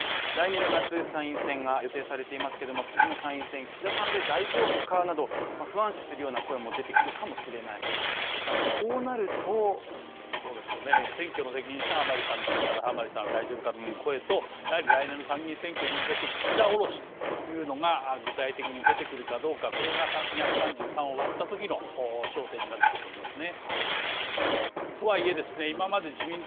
また、来年の夏、参院選が予定されていますけども次の参院選岸田さんで大丈夫かなど不安視するような声も出てくるかもしれないと選挙の責任者甘利さんですから甘利さん大丈夫かという声と、やはり来年の参議院選挙に向けて岸田降ろしというのが具体的に出てくるかどうかこれが、２３３を割ったときの、焦点になってくると思いますね